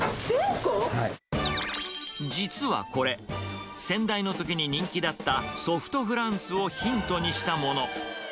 実はこれ、先代のときに人気だったソフトフランスをヒントにしたもの。